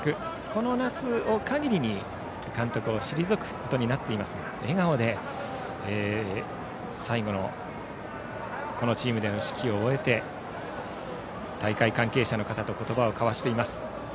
この夏を限りに監督を退くことになっていますが笑顔で、最後のこのチームでの指揮を終えて大会関係者の方と言葉を交わしています。